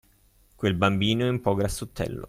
Quel bambino è un po' grassottello.